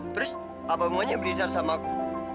terus apa maunya blizzard sama aku